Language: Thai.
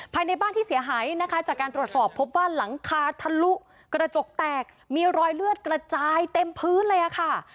ภายในบ้านที่เสียหายนะคะจากการตรวจสอบพบว่าหลังคาทะลุกระจกแตกมีรอยเลือดกระจายเต็มพื้นเลยค่ะ